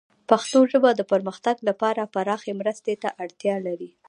پښتو ژبه د پرمختګ لپاره پراخې مرستې ته اړتیا لري.